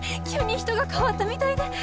急に人が変わったみたいで。